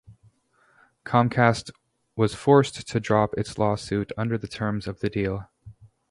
Comcast was forced to drop its lawsuit under the terms of the deal.